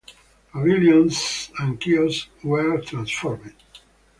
Pavilions and kiosks were transformed.